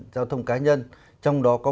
giao thông cá nhân trong đó có